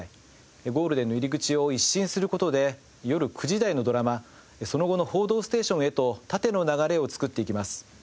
ゴールデンの入り口を一新する事で夜９時台のドラマその後の『報道ステーション』へと縦の流れを作っていきます。